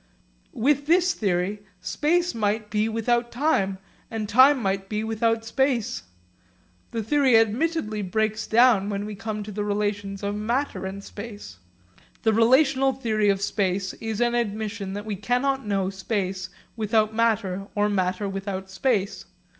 With this theory space might be without time, and time might be without space. The theory admittedly breaks down when we come to the relations of matter and space. The relational theory of space is an admission that we cannot know space without matter or matter without space.